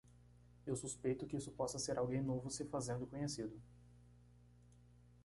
Eu suspeito que isso possa ser alguém novo se fazendo conhecido.